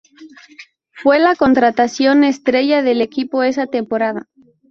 Fue la contratación estrella del equipo esa temporada.